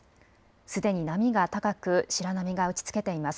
すでに波が高く白波が打ちつけています。